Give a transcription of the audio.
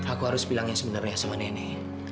aku harus bilang yang sebenarnya sama nenek